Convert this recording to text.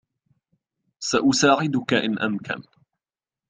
.سأساعدك إن أمكن